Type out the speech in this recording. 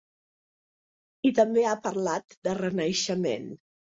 I també ha parlat de renaixement.